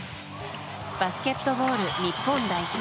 バスケットボール日本代表